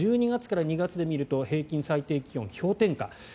１２月から２月で見ると平均最低気温氷点下。